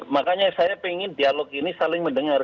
makanya saya ingin dialog ini saling mendengar